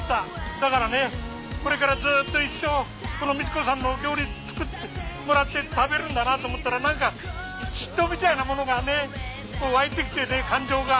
だからねこれからずっと一生このみち子さんの料理作ってもらって食べるんだなと思ったらなんか嫉妬みたいなものがねわいてきてね感情が。